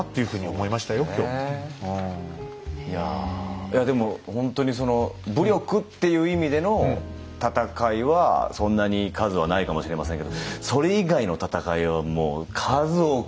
いやいやでもほんとに武力っていう意味での戦いはそんなに数はないかもしれませんけどそれ以外の戦いはもう数多く。